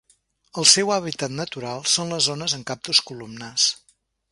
El seu hàbitat natural són les zones amb cactus columnars.